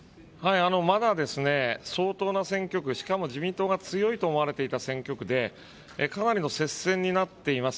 まだ相当な選挙区、しかも自民党が強いと思われていた選挙区で、かなりの接戦になっています